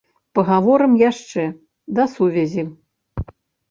Пагаворым яшчэ, да сувязі!